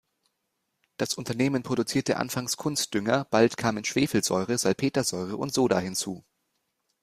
Das Unternehmen produzierte anfangs Kunstdünger, bald kamen Schwefelsäure, Salpetersäure und Soda hinzu.